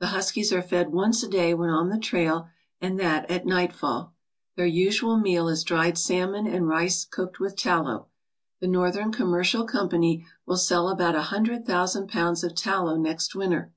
The huskies are fed once a day when on the trail, and that at nightfall. Their usual meal is dried salmon and rice cooked with tallow. The Northern Commercial Com pany will sell about a hundred thousand pounds of tallow next winter.